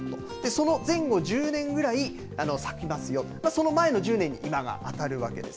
その前後１０年ぐらい咲きますよ、その前の１０年に今が当たるわけです。